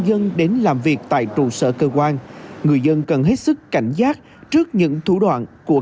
dân đến làm việc tại trụ sở cơ quan người dân cần hết sức cảnh giác trước những thủ đoạn của